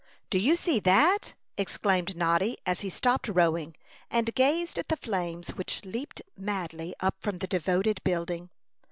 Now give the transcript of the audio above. "Do you see that?" exclaimed Noddy, as he stopped rowing, and gazed at the flames which leaped madly up from the devoted building.